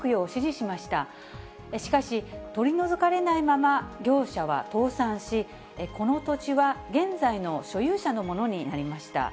しかし、取り除かれないまま業者は倒産し、この土地は現在の所有者のものになりました。